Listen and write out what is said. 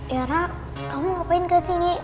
yara kamu ngapain ke sini